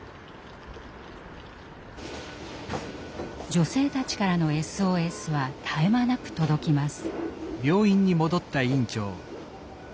女性たちからのＳＯＳは絶え間なく届きます。